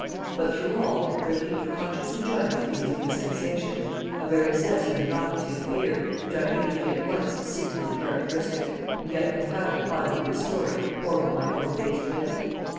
But through all there peeped a conscious enjoyment of these new sensations, a very zest in the novelty of fear, which I knew to be at once signally characteristic, and yet compatible either with his story or with my own base dread.